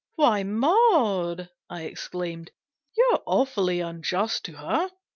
" Why, Maud," I ex claimed, " you're awfully unjust to her !